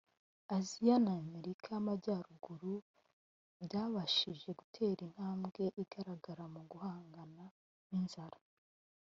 Asia n’Amerika y’Amajyaruguru byabashije gutera intambwe igaragara mu guhangana n’inzara